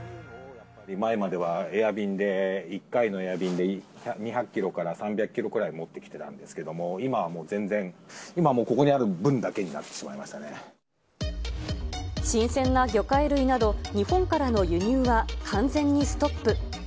前まではエア便で、１回のエア便で２００キロから３００キロくらい持ってきてたんですけども、今はもう全然、今はもうここにある分だけになっ新鮮な魚介類など、日本からの輸入は完全にストップ。